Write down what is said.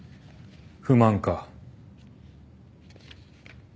不満か？